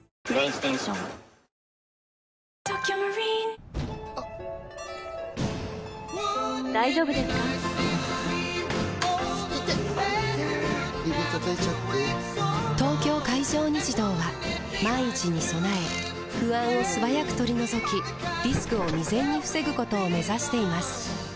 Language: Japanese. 指たたいちゃって・・・「東京海上日動」は万一に備え不安を素早く取り除きリスクを未然に防ぐことを目指しています